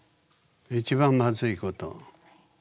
一番まずいこと。